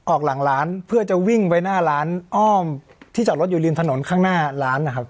ออกหลังร้านเพื่อจะวิ่งไปหน้าร้านอ้อมที่จอดรถอยู่ริมถนนข้างหน้าร้านนะครับ